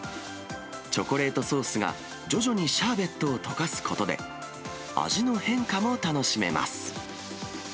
チョコレートソースが徐々にシャーベットを溶かすことで、味の変化も楽しめます。